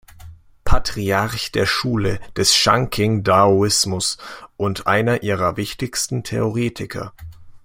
Patriarch der Schule des Shangqing-Daoismus und einer ihrer wichtigsten Theoretiker.